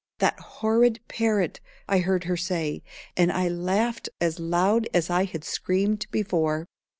"That horrid parrot!" I heard her say, and I laughed as loud as I had screamed before.